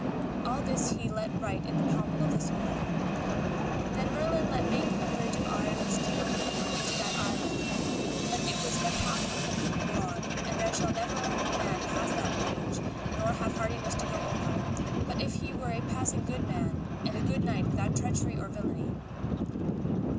All this he let write in the pommel of the sword. Then Merlin let make a bridge of iron and of steel into that island, and it was but half a foot broad, and there shall never man pass that bridge, nor have hardiness to go over, but if he were a passing good man and a good knight without treachery or villainy.